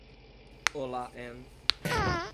Olá Ann.